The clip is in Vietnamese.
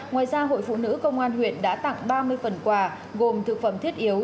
ngoài ra hội phụ nữ công an huyện đã tặng ba mươi phần quà gồm thực phẩm thiết yếu